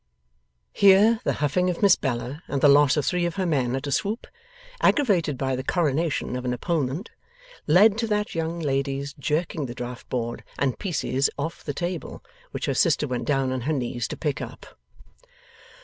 Here, the huffing of Miss Bella and the loss of three of her men at a swoop, aggravated by the coronation of an opponent, led to that young lady's jerking the draught board and pieces off the table: which her sister went down on her knees to pick up.